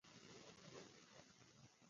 قهوه د قلمي دنیا ملګرې ده